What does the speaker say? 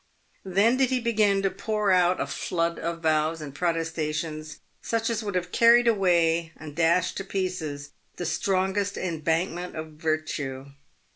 Then did he begin to pour out a flood of vows and protestations such as would have carried away and dashed to pieces the strongest embankment of virtue.